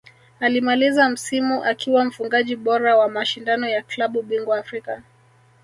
Alimaliza msimu akiwa mfungaji bora wa mashindano ya klabu bingwa Afrika